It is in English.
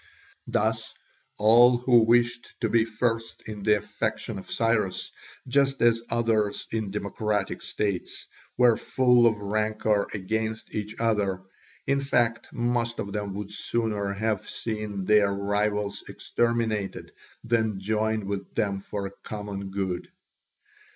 Thus all who wished to be first in the affections of Cyrus, just as others in democratic states, were full of rancour against each other, in fact most of them would sooner have seen their rivals exterminated than join with them for any common good.